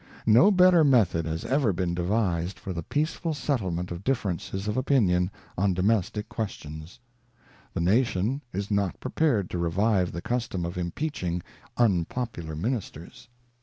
No better method has ever been devised for the peaceful settlement of differences of opinion on domestic questions. The nation is not prepared to revive the custom of impeaching unpopular ministers.